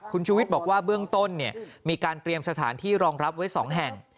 คุณชูวิทย์บอกว่าเบื้องต้นมีการเตรียมสถานที่รองรับไว้๒แห่ง